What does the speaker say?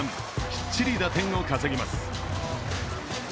きっちり打点を稼ぎます。